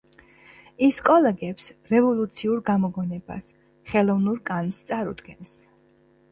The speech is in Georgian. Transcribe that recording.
ის კოლეგებს რევოლუციურ გამოგონებას, ხელოვნურ კანს წარუდგენს.